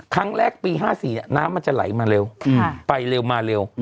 ครั้งแรกปี๕๔น้ำมันจะไหลมาเร็วไปเร็วมาเร็ว